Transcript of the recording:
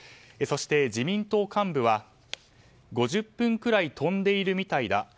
そして、自民党幹部は５０分くらい飛んでいるみたいだ。